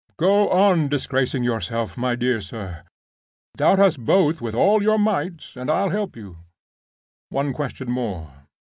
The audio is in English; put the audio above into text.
"Go on disgracing yourself, my dear sir! Doubt us both with all your might, and I'll help you. One question more.